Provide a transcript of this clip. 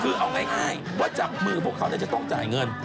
คือเอาง่ายว่าจับมือพวกเขาจะต้องจ่ายเงิน